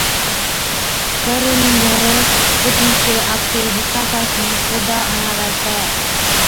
ڪرڻِيگر اُٺِيچ آپڪي حصابا سُون سودا اڻاوَي ڇَي